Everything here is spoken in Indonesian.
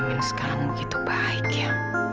kenapa mimin sekarang begitu baik ya